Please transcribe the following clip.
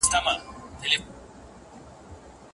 کمزوري خلګ هېڅکله د خطر منلو ته نه دي چمتو.